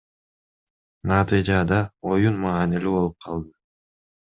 Натыйжада оюн маанилүү болуп калды.